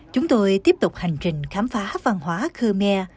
chúng tôi tiếp tục hành trình khám phá văn hóa khmer